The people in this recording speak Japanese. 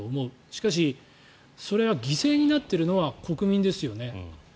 しかし、それは犠牲になってるのは国民ですよね。